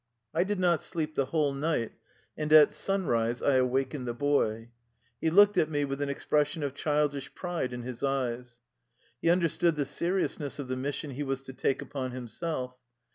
I did not sleep the whole night, and at sunrise I awakened the boy. He looked at me with an expression of childish pride in his eyes. He understood the seriousness of the mis sion he was to take upon himself.